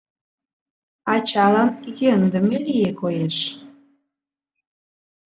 Ачалан йӧндымӧ лие, коеш...